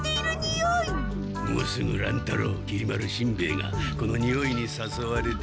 もうすぐ乱太郎きり丸しんべヱがこのにおいにさそわれてやって来る。